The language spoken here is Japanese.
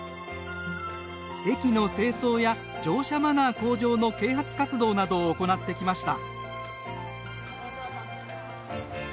駅の清掃や乗車マナー向上の啓発活動などを行ってきました。